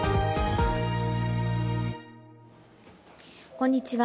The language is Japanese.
こんにちは。